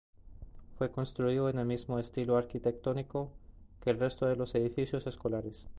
Fue construido en el mismo estilo arquitectónico que el resto de los edificios escolares.